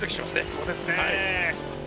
そうですね